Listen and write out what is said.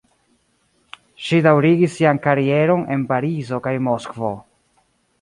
Ŝi daŭrigis sian karieron en Parizo kaj Moskvo.